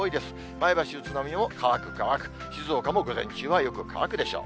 前橋、宇都宮も乾く、乾く、宇都宮も午前中はよく乾くでしょう。